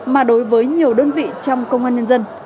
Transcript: mà đối với nhiều đơn vị trong công an nhân dân